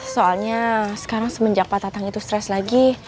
soalnya sekarang semenjak pak tatang itu stres lagi